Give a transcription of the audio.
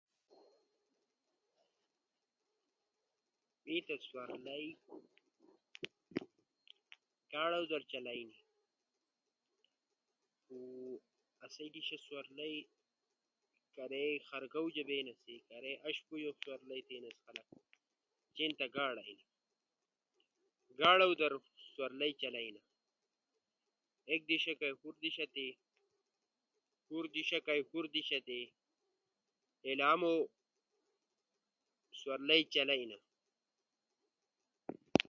می تا سورلئی گاڑو در چلیئی خو آسو دیشا سورلئی کارے خرگاؤ تی بیناسی کارے ام تی بینا سی خو چین تا گاڑو در سورلئی چلئینا۔ خو آسو دیشا سورلئی کارے خر گاڑو تی چلیئی۔ چین تا گاڑے اینی، گاڑو در سورلئی چلئینا، ایک دیشا کئی ہور دیشا تی، ہور دیشا کئی ہور دیشا تی، ایلا مو سورلئی چلئینا۔